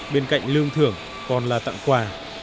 bên cạnh lương thưởng còn là tặng quà